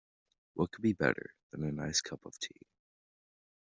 What could be better than a nice cup of tea?